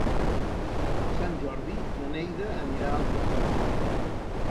Per Sant Jordi na Neida anirà al teatre.